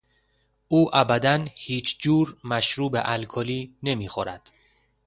او ابدا هیچ جور مشروب الکلی نمیخورد.